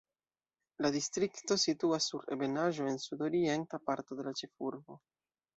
La distrikto situas sur ebenaĵo en sud-orienta parto de la ĉefurbo.